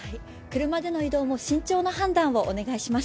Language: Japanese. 車での移動も慎重な判断をお願いします。